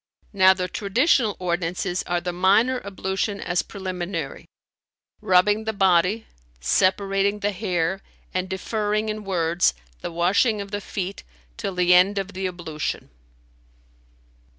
Now the traditional ordinances are the minor ablution as preliminary; rubbing the body; separating the hair and deferring in words[FN#310] the washing of the feet till the end of the ablution."